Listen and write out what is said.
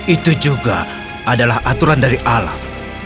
itu juga adalah aturan dari alam